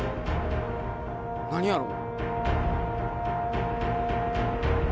何やろ？